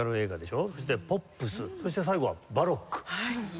そしてポップスそして最後はバロック。